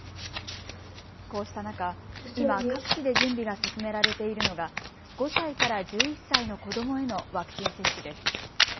こうした中、今、各地で準備が進められているのが５歳から１１歳の子どもへのワクチン接種です。